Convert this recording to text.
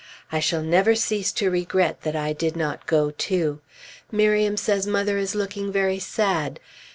I shall never cease to regret that I did not go too. Miriam says mother is looking very sad.